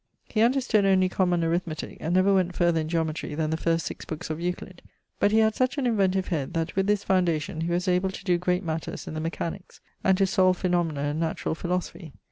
He understood only common Arithmetique, and never went farther in Geometrie then the first six bookes of Euclid; but he had such an inventive head, that with this foundation he was able to doe great matters in the mechaniques, and to solve phaenomena in naturall philosophy.